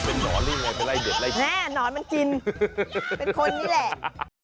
เป็นหนอนหรือยังไงเป็นไรเด็ดน่ะหนอนมันกินเป็นคนนี้แหละ